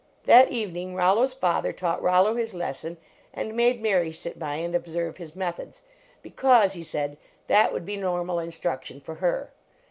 That evening Rollo s father taught Rollo his lesson and made Mary sit by and observe his methods, because, he said, that would be normal instruction for her.